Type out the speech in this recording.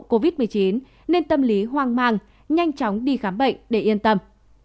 covid một mươi chín nên tâm lý hoang mang nhanh chóng đi khám bệnh để yên tâm